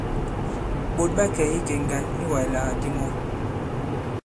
Ɓòt ɓa kɛ̀ ikè ŋgǎn iwàslàgàdi mɔ.